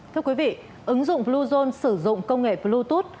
thưa quý vị ứng dụng bluezone sử dụng công nghệ bluetooth